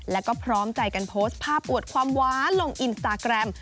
แล้วก็พร้อมใจกันโพสต์ภาพอวดความหวานลงอินสตาแกรม